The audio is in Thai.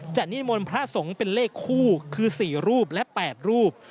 นิมนต์พระสงฆ์เป็นเลขคู่คือ๔รูปและ๘รูป